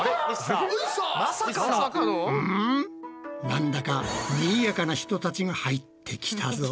なんだかにぎやかな人たちが入ってきたぞ。